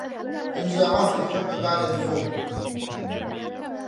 أنزاعا في الحب بعد نزوع